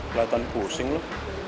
kelihatan pusing lo